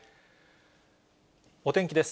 お天気です。